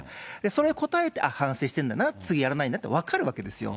それを答えて、反省してるんだなって、次やらないなって分かるわけですよ。